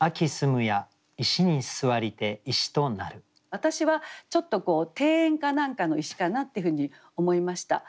私はちょっと庭園か何かの石かなっていうふうに思いました。